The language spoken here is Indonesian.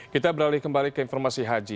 kita beralih kembali ke informasi haji